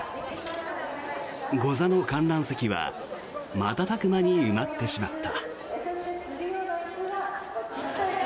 ゴザの観覧席は瞬く間に埋まってしまった。